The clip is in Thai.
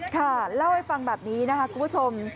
ค่ะเล่าให้ฟังแบบนี้นะคะคุณผู้ชม